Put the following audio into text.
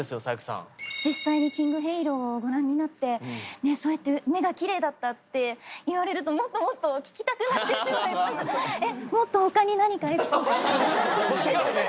こう実際にキングヘイローをご覧になってねっそうやって目がきれいだったって言われるともっともっと聞きたくなってしまいます。